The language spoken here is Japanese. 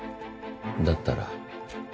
だったら？